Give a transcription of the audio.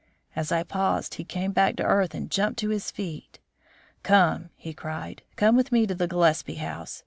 As I paused, he came back to earth and jumped to his feet. "Come," he cried. "Come with me to the Gillespie house.